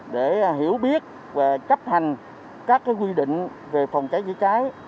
để hiểu biết và chấp hành các quy định về phòng cháy chữa cháy